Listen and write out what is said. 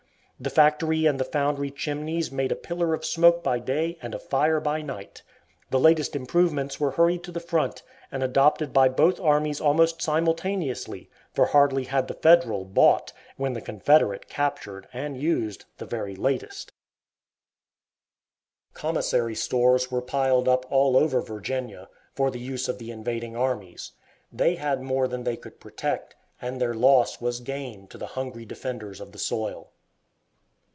The factory and the foundry chimneys made a pillar of smoke by day and of fire by night. The latest improvements were hurried to the front, and adopted by both armies almost simultaneously; for hardly had the Federal bought, when the Confederate captured, and used, the very latest. Commissary stores were piled up all over Virginia, for the use of the invading armies. They had more than they could protect, and their loss was gain to the hungry defenders of the soil.